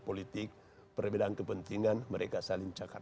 politik perbedaan kepentingan mereka saling cakart